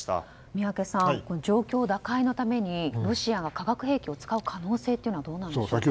宮家さん、状況打開のためにロシアが化学兵器を使う可能性はどうなんでしょうか？